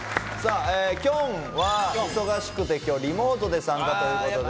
きょんは忙しくて、きょうリモートで参加ということで。